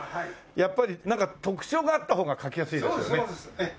やっぱりなんか特徴があった方が描きやすいですよね？